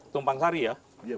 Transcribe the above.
tumpang sari ya